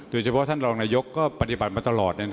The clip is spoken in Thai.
โดยเฉพาะท่านรองนายกก็ปฏิบัติมาตลอด